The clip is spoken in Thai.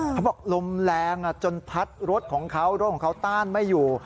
เขาบอกลมแรงจนพัดรถของเขาร่มของเขาต้านไม่อยู่